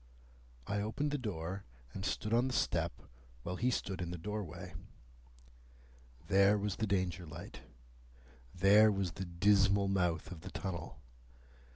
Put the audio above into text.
I opened the door, and stood on the step, while he stood in the doorway. There was the Danger light. There was the dismal mouth of the tunnel.